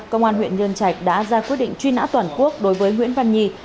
công an huyện nhân trạch đã ra quyết định truy nã toàn quốc đối với nguyễn văn nhi